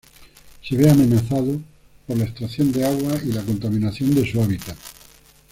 Se ve amenazado por la extracción de agua y la contaminación de su hábitat.